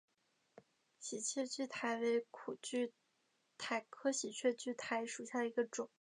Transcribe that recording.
喜鹊苣苔为苦苣苔科喜鹊苣苔属下的一个种。